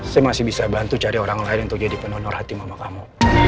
saya masih bisa bantu cari orang lain untuk jadi pendonor hati mama kamu